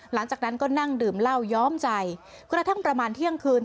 หลังจากนั้นก็นั่งดื่มเหล้าย้อมใจกระทั่งประมาณเที่ยงคืน